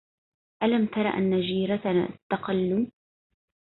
ألم تر أن جيرتنا استقلوا